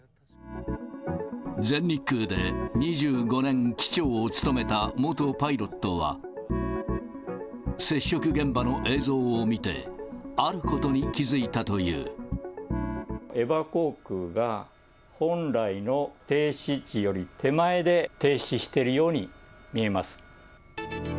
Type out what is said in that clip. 全日空で２５年、機長を務めた元パイロットは、接触現場の映像を見て、あることエバー航空が、本来の停止位置より手前で停止しているように見えます。